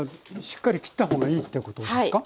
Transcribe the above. しっかり切った方がいいってことですか？